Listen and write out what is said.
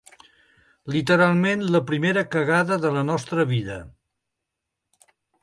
Literalment, la primera cagada de la nostra vida.